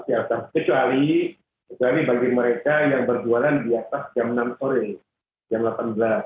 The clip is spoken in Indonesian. kecuali bagi mereka yang berjualan di atas jam enam sore jam delapan belas